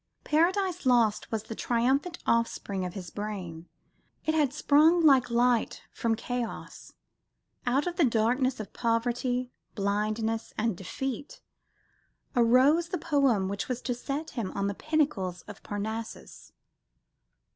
Paradise Lost was the triumphant offspring of his brain. It had sprung, like light, from chaos. Out of the darkness of poverty, blindness and defeat arose the poem which was to set him on the pinnacles of Parnassus.